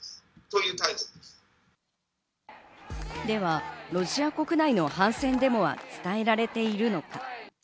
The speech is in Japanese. ではロシア国内の反戦デモは伝えられているのか。